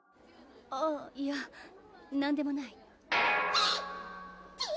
あっいや何でもないピ！